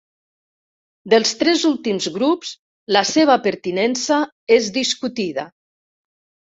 Dels tres últims grups la seva pertinença és discutida.